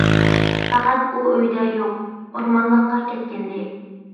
پەقەت ئۇ ئۆيدە يوق، ئورمانلىققا كەتكەنىدى.